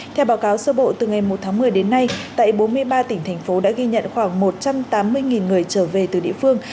theo báo cáo sơ bộ từ ngày một tháng một mươi đến nay tại bốn mươi ba tỉnh thành phố đã ghi nhận khoảng một trăm tám mươi người trở về từ địa phương